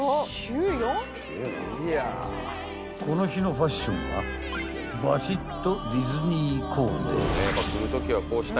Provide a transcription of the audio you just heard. ［この日のファッションはバチッと］